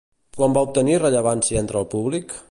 Quan va obtenir rellevància entre el públic?